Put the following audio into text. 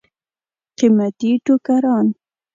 قیمتي ټوکران.